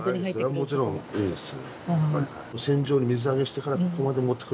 それはもちろん、いいです。